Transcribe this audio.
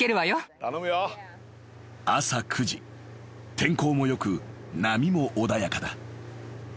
［天候もよく波も穏やかだ］